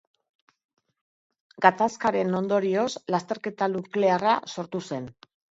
Gatazkaren ondorioz lasterketa nuklearra sortu zen.